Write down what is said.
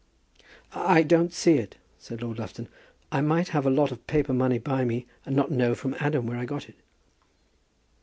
"I don't see it," said Lord Lufton. "I might have a lot of paper money by me, and not know from Adam where I got it."